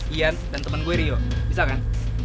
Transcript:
ian dan temen gue rio bisa kan